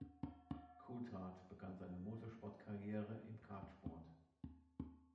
Coulthard begann seine Motorsportkarriere im Kartsport.